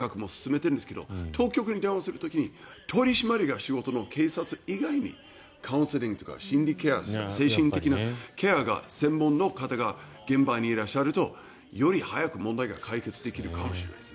ただ、今話にあったとおりアメリカでは例えば警察の改革も進めているんですが当局に電話する時に取り締まりが仕事の警察以外にカウンセリングとか心理ケアをする精神的なケアが専門の方が現場にいらっしゃるとより早く問題が解決できるかもしれません。